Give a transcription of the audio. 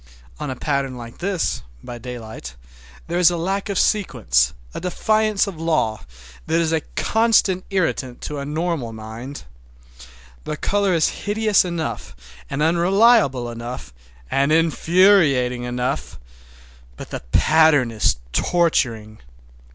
On a pattern like this, by daylight, there is a lack of sequence, a defiance of law, that is a constant irritant to a normal mind. The color is hideous enough, and unreliable enough, and infuriating enough, but the pattern is torturing.